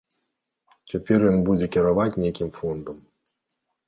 Цяпер ён будзе кіраваць нейкім фондам.